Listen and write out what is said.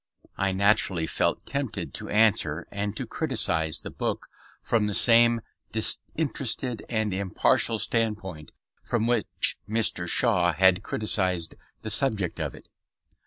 I naturally felt tempted to answer and to criticise the book from the same disinterested and impartial standpoint from which Mr. Shaw had criticised the subject of it.